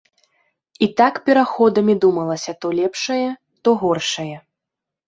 І так пераходамі думалася то лепшае, то горшае.